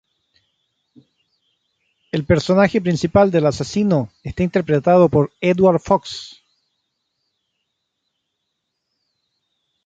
El personaje principal del asesino está interpretado por Edward Fox.